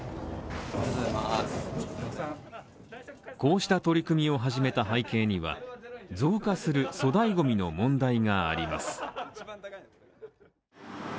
こうした取り組みを始めた背景には、増加する粗大ゴミの問題があります。